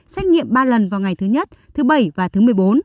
xét nghiệm ba lần vào ngày thứ nhất thứ bảy và thứ một mươi bốn